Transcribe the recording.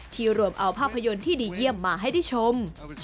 รวมเอาภาพยนตร์ที่ดีเยี่ยมมาให้ได้ชม